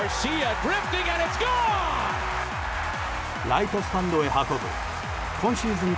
ライトスタンドへ運ぶ今シーズン